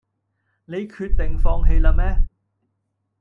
你決定放棄啦咩